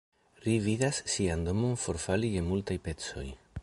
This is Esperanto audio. Ri vidas sian domon forfali je multaj pecoj.